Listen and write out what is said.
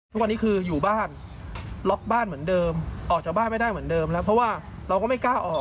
ทุกวันนี้คืออยู่บ้านล็อกบ้านเหมือนเดิมออกจากบ้านไม่ได้เหมือนเดิมแล้วเพราะว่าเราก็ไม่กล้าออก